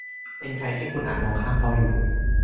เป็นใครที่คุณอาจมองข้ามเขาอยู่